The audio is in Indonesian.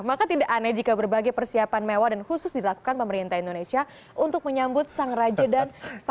maka tidak aneh jika berbagai persiapan mewah dan khusus dilakukan pemerintah indonesia untuk menyambut sang raja dan pangeran